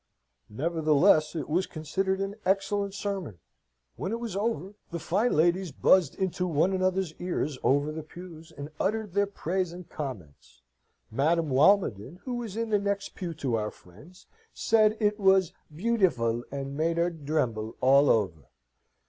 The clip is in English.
Nevertheless, it was considered an excellent sermon. When it was over, the fine ladies buzzed into one another's ears over their pews, and uttered their praise and comments. Madame Walmoden, who was in the next pew to our friends, said it was bewdiful, and made her dremble all over.